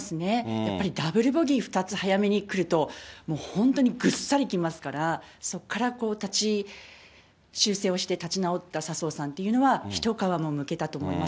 やっぱりダブルボギー２つ早めにくると、もう本当にぐっさり来ますから、そこから修正をして立ち直った笹生さんというのは、一皮も剥けたと思います。